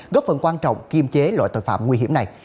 góp phần quan trọng kiềm chế loại tội phạm nguy hiểm này